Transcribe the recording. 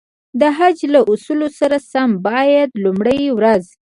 د حج له اصولو سره سم باید لومړی ورځ.